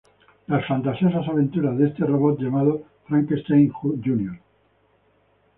Las fantasiosas aventuras de este robot llamado Frankenstein Jr.